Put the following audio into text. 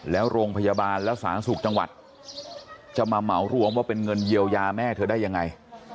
แล้วโรงพยาบาลและสาธารณสุขจังหวัดจะมาเหมารวมว่าเป็นเงินเยียวยาแม่เธอได้ยังไง